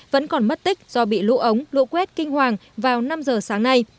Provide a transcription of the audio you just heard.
vẫn còn mất tích do bị lũ ống lũ quét kinh hoàng vào năm giờ sáng nay